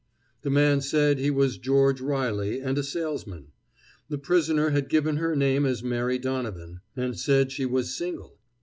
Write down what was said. The man said he was George Reilly and a salesman. The prisoner had given her name as Mary Donovan and said she was single.